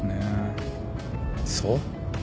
そう？